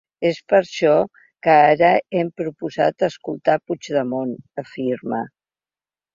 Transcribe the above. És per això que ara hem proposat escoltar Puigdemont, afirma.